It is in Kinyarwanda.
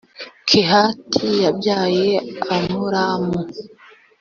kehati yabyaye amuramu.